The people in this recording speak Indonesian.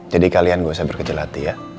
jadi kalian gak usah berkejelati ya